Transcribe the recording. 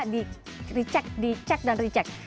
di cek di cek dan di cek